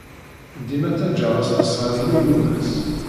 Dima ttajjaɣ asnasɣal-inu yumes.